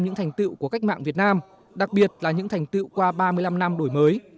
những thành tựu của cách mạng việt nam đặc biệt là những thành tựu qua ba mươi năm năm đổi mới